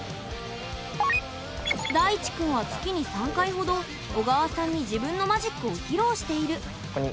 大智くんは月に３回ほど緒川さんに自分のマジックを披露している。